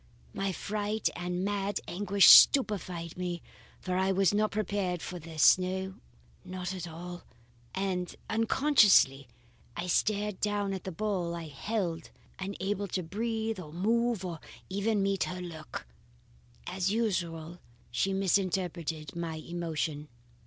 My fright and mad anguish stupefied me; for I was not prepared for this, no, not at all; and unconsciously I stared down at the bowl I held, unable to breathe or move or even to meet her look." As usual she misinterpreted my emotion.